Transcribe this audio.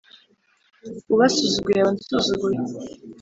Ubasuzuguye aba ansuzuguye